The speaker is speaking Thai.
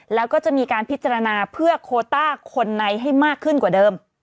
แล้วก็จะมีการพิจารณาเพื่อโคต้าคนในให้มากขึ้นกว่าเดิม